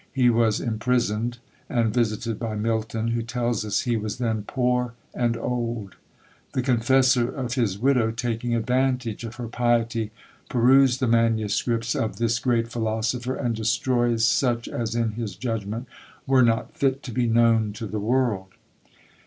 He was imprisoned, and visited by Milton, who tells us, he was then poor and old. The confessor of his widow, taking advantage of her piety, perused the MSS. of this great philosopher, and destroyed such as in his judgment were not fit to be known to the world!